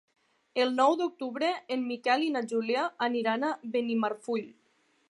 El nou d'octubre en Miquel i na Júlia aniran a Benimarfull.